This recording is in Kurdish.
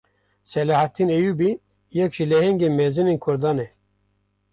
Seleheddînê Eyyûbî, yek ji lehengên mezinên Kurdan e